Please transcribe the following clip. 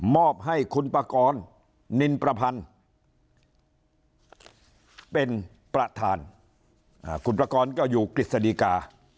อบให้คุณปากรนินประพันธ์เป็นประธานคุณประกอบก็อยู่กฤษฎีกา